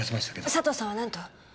佐藤さんはなんと？